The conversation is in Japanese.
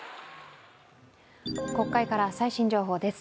国会から最新情報です。